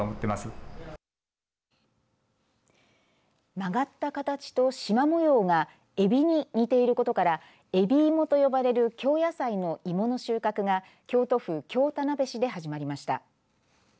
曲がった形と、しま模様がえびに似ていることからえびいもと呼ばれる京野菜のいもの収穫が京都府京田辺市で始まりました。